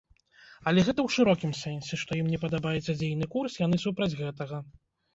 Але гэта ў шырокім сэнсе, што ім не падабаецца дзейны курс, яны супраць гэтага.